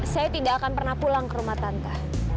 saya tidak akan pernah pulang ke rumah tangga